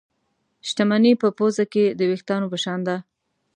شتمني په پوزه کې د وېښتانو په شان ده.